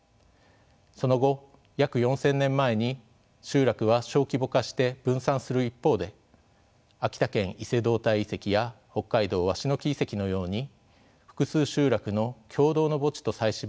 その後約４，０００年前に集落は小規模化して分散する一方で秋田県伊勢堂岱遺跡や北海道鷲ノ木遺跡のように複数集落の共同の墓地と祭祀場が作られます。